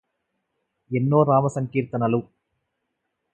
ఎన్నో రామ సంకీర్తనలు